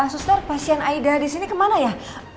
suster pasien aida di sini kemana ya